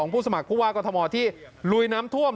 ผู้สมัครผู้ว่ากรทมที่ลุยน้ำท่วม